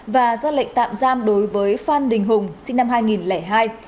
và ra lệnh tạm giam đối với phan đình hùng sinh năm hai nghìn hai